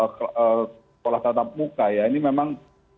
sekolah tatap muka ya ini memang